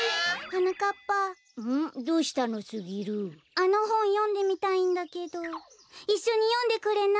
あのほんよんでみたいんだけどいっしょによんでくれない？